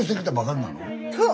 そう！